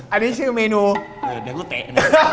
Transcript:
อันนี้ชื่อเมนูเดี๋ยวกูเตะ